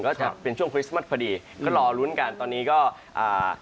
ก็จะเป็นช่วงคริสต์มัสพอดีก็รอลุ้นกันตอนนี้ก็อ่า